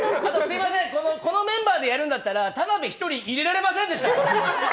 このメンバーでやるんだったら、田辺一人、入れられませんでした？